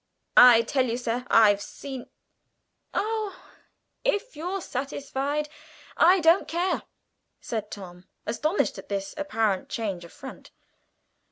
I tell you, sir, I've seen " "Oh, if you're satisfied, I don't care!" said Tom, astonished at this apparent change of front.